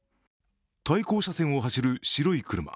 対向車線を走る白い車。